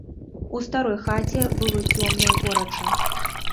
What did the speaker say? У старой хаце было цёмна і горача.